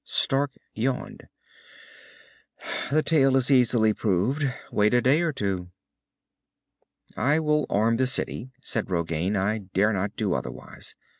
Stark yawned. "The tale is easily proved. Wait a day or two." "I will arm the city," said Rogain. "I dare not do otherwise.